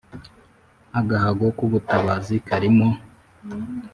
agahago kubutabazi karimo